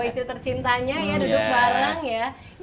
dua istri tercintanya ya duduk bareng ya